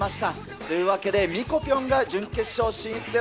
というわけで、ミコぴょんが準決勝進出です。